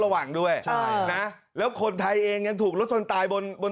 หวังด้วยใช่นะแล้วคนไทยเองยังถูกรถชนตายบนบน